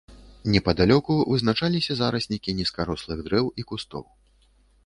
Непадалёку вызначаліся зараснікі нізкарослых дрэў і кустоў.